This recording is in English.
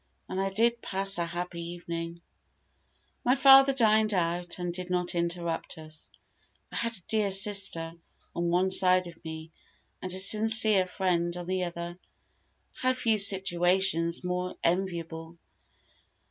And I did pass a happy evening: my father dined out, and did not interrupt us. I had a dear sister on one side of me, and a sincere friend on the other. How few situations more enviable.